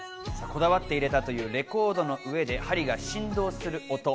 こだわって入れたというレコードの上で針が振動する音。